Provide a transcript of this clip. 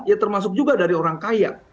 ya termasuk juga dari orang kaya